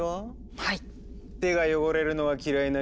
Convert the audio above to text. はい。